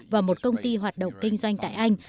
và một công ty hoạt động kinh doanh tại anh